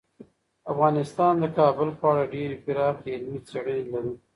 افغانستان د کابل په اړه ډیرې پراخې علمي څېړنې لري.